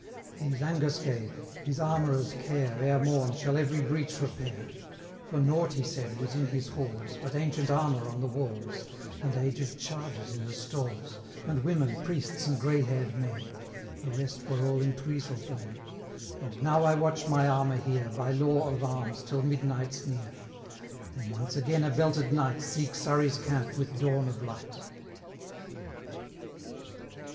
These Angus gave his armourer's care, Ere morn, shall every breach repair; 275 For nought, he said, was in his halls, But ancient armour on the walls, And aged chargers in the stalls, And women, priests, and grey hair'd men; The rest were all in Twisel glen. 280 And now I watch my armour here, By law of arms, till midnight's near; Then, once again a belted knight, Seek Surrey's camp with dawn of light.